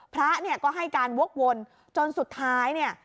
พระเนี่ยก็ให้การวกวนจนสุดท้ายเนี่ย